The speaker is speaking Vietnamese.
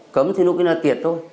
cấm thì lúc ý là tiệt thôi